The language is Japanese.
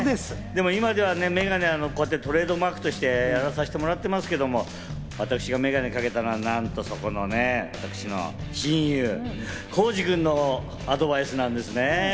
今ではメガネがトレードマークとして、やらせてもらってますけど、私がメガネをかけたのは、なんと、そこのね、私の親友・浩次君のアドバイスなんですね。